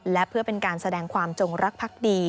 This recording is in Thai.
และเพื่อเป็นการแสดงความจงรักพักดี